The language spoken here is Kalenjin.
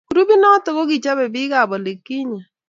Grupit noto kokichobe bik ab olikinye.